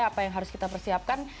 apa yang harus kita persiapkan